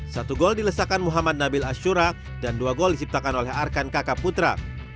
satu gol dilesakan muhammad nabil ashura dan dua gol diciptakan oleh arkan kakak putra